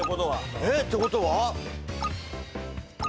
えってことは？